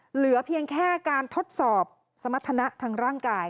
เหลือเพียงแค่การทดสอบสมรรถนะทางร่างกาย